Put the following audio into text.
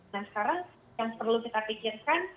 nah sekarang yang perlu kita pikirkan